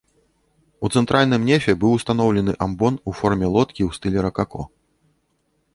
У цэнтральным нефе быў устаноўлены амбон у форме лодкі ў стылі ракако.